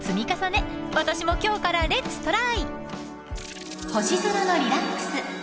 ［私も今日からレッツトライ！］